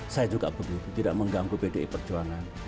saya juga begitu tidak mengganggu pdi perjuangan